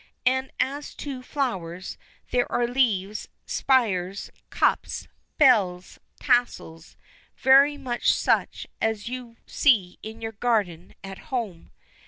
And as to flowers, there are leaves, spires, cups, bells, tassels, very much such as you see in your garden at home.